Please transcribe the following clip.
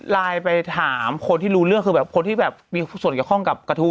ไลน์ไปถามคนที่รู้เรื่องคือแบบคนที่แบบมีส่วนเกี่ยวข้องกับกระทู้